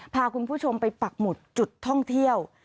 พาคุณผู้ชมไปปักหมุดจุดท่องเที่ยว